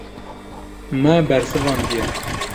Me bersivandiye.